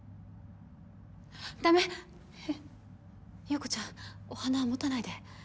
葉子ちゃんお花持たないで。